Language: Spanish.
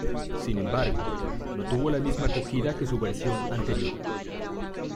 Sin embargo, no tuvo la misma acogida que su versión anterior.